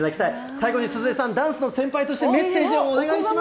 最後に鈴江さん、ダンスの先輩としてメッセージをお願いします。